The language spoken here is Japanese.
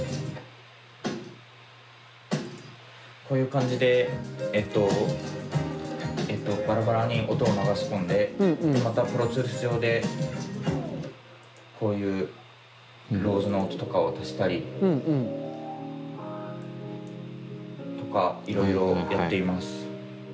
こういう感じでバラバラに音を流し込んでまたプロツールス上でこういうロールの音とかを足したりとかいろいろやっています。